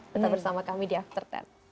tetap bersama kami di after sepuluh